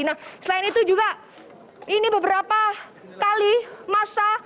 nah selain itu juga ini beberapa kali masa